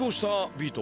ビート。